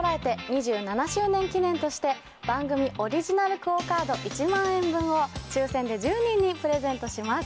２７周年記念として番組オリジナルＱＵＯカード１万円分を抽選で１０人にプレゼントします。